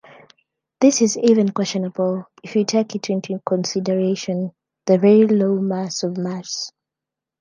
This is even questionable, if you take into consideration the very low mass of Mars.